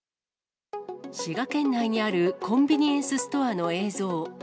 滋賀県内にあるコンビニエンスストアの映像。